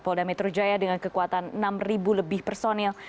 polda metro jaya dengan kekuatan enam lebih personil